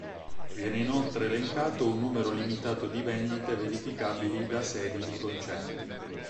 Viene inoltre elencato un numero limitato di vendite verificabili da sedi di concerti.